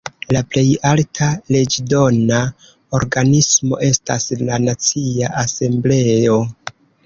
La plej alta leĝdona organismo estas la Nacia Asembleo.